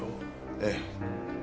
ええ。